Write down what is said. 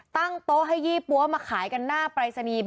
ตั้งโต๊ะให้ยี่ปั๊วมาขายกันหน้าปรายศนีย์